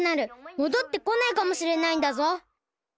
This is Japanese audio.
もどってこないかもしれないんだぞ！